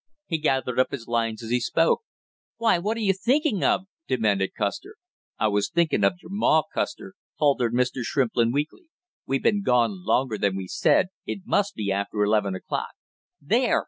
He gathered up his lines as he spoke. "Why, what are you thinking of?" demanded Custer. "I was thinking of your ma, Custer!" faltered Mr. Shrimplin weakly. "We been gone longer than we said, it must be after eleven o'clock." "There!"